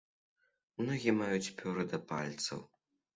Ногі маюць пёры да пальцаў.